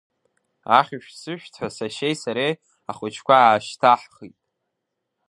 Ахьшәҭ-сышәҭҳәа сашьеи сареи ахәыҷқәа аашьҭаҳхит.